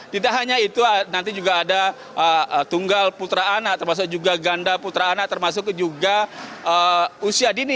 tidak hanya itu nanti juga ada tunggal putra anak termasuk juga ganda putra anak termasuk juga usia dini